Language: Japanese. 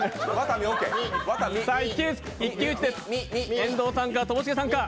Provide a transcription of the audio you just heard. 遠藤さんか、ともしげさんか。